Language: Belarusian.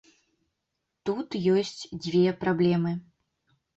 Тут ёсць дзве праблемы.